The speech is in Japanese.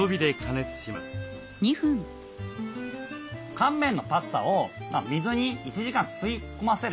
乾麺のパスタを水に１時間吸い込ませる。